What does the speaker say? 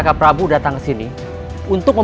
seperti tak punya muka